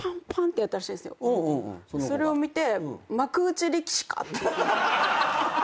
それを見て。